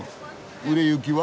売れ行きは？